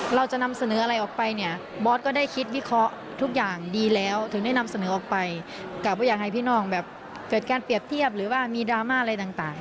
เราจะนำเสนออะไรออกไปเนี่ยบอสก็ได้คิดวิเคราะห์ทุกอย่างดีแล้วถึงได้นำเสนอออกไปกลับว่าอยากให้พี่น้องแบบเกิดการเปรียบเทียบหรือว่ามีดราม่าอะไรต่าง